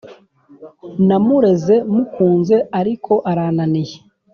namureze mukunze ariko arananiye